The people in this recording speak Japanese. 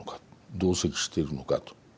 同席しているのかと。